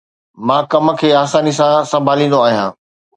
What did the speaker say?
مان ڪم کي آساني سان سنڀاليندو آهيان